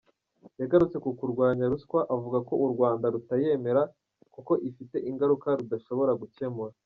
Yagarutse ku kurwanya ruswa avuga ko u Rwanda rutayemera kuko ifite ingaruka rudashobora gukemura.